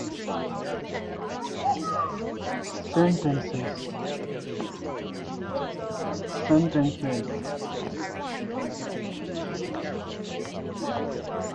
Provincial governments have enacted provincial fisheries legislation, for the licensing of their fisheries.